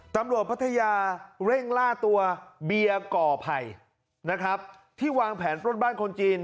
สำหรับรัพยาเร่งล่าตัวเบียก่อภัยที่วางแผนปรนบ้านคนจีน